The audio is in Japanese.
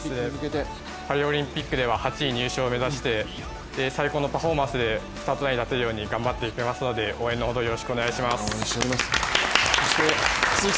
パリオリンピックでは８位入賞を目指して最高のパフォーマンスでスタートラインに立てるように頑張っていきますので応援のほどよろしくお願いします。